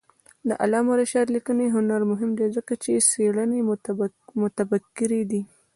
د علامه رشاد لیکنی هنر مهم دی ځکه چې څېړنې مبتکرې دي.